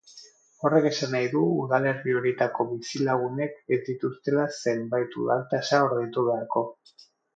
Horrek esan nahi du udalerri horietako bizilagunek ez dituztela zenbait udal-tasa ordaindu beharko.